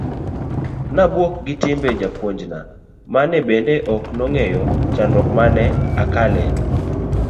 nabuok gi timbe jopunjna mane bende ok nong'eyo chandruok mane akaloe